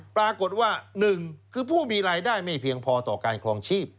ปรากฏว่าหนึ่งคือผู้มีรายได้ไม่เพียงพอต่อการครองชีพ